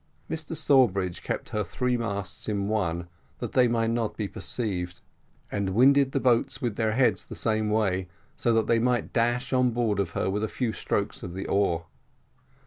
Mr Sawbridge kept her three masts in one, that they might not be perceived, and winded the boats with their heads the same way, so that they might dash on board of her with a few strokes of the oars.